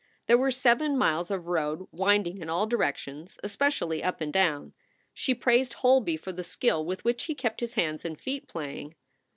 There were seven miles of road winding in all directions, especially up and down. She praised Holby for the skill with which he kept his hands and feet playing.